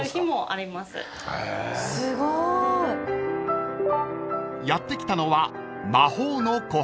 すごい！［やって来たのは］